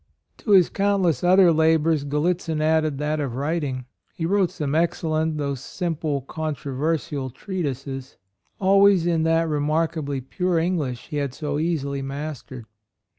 To his countless other labors Gallitzin added that of writing. He wrote some excellent though simple controversial treatises, always in that remarkably pure English he had so easily mas tered.